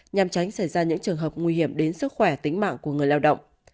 nhằm tránh xảy ra những trường hợp nguy hiểm đến sức khỏe tính mạng của người lao động